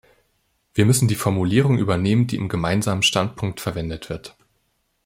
Wir müssen die Formulierung übernehmen, die im Gemeinsamen Standpunkt verwendet wird.